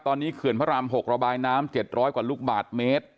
ตอนนี้เขื่อนพระราม๖ระบายน้ำ๗๐๐กว่าลูกบาทเมตร